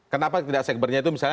kenapa tidak segbernya itu misalnya